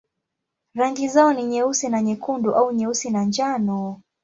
Rangi zao ni nyeusi na nyekundu au nyeusi na njano.